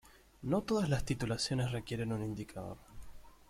No todas las titulaciones requieren un indicador.